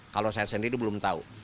kalau saya sendiri belum tahu